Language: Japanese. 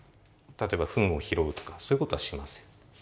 例えばフンを拾うとかそういうことはしません。